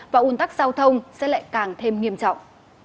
và ủn tắc giao thông sẽ lại càng thêm nghiêm trọng